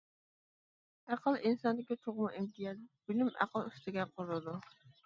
ئەقىل ئىنساندىكى تۇغما ئىمتىياز، بىلىم ئەقىل ئۈستىگە قۇرۇلىدۇ.